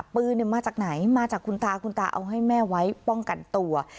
ปืนมาจากไหนมาจากคุณตาคุณตาเอาให้แม่ไว้ป้องกันตัว